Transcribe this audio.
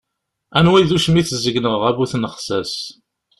Anwa i d ucmit seg-nneɣ, a bu tnexsas.